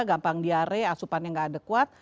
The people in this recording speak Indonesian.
gampang diare asupannya nggak adekuat